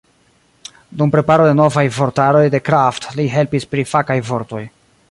Dum preparo de novaj vortaroj de Kraft li helpis pri fakaj vortoj.